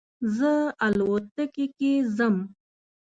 زه الوتکې کې ځم